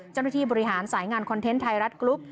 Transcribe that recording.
เจ้าหน้าที่บริหารสายงานคอนเทนต์ไทยรัฐกรุ๊ป